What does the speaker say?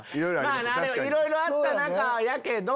まぁいろいろあった中やけど。